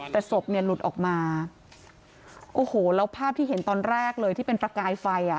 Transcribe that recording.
แต่ศพเนี่ยหลุดออกมาโอ้โหแล้วภาพที่เห็นตอนแรกเลยที่เป็นประกายไฟอ่ะ